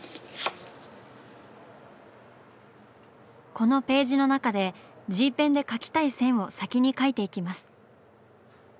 このページの中でＧペンで描きたい線を先に描いていきます。